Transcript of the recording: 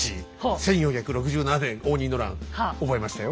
１４６７年応仁の乱覚えましたよ。